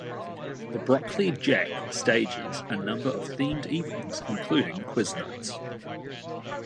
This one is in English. The Brockley Jack stages a number of themed evenings including quiz nights.